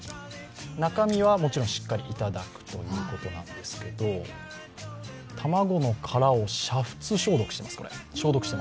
中身はもちろんしっかり頂くということなんですけど卵の殻を煮沸消毒します。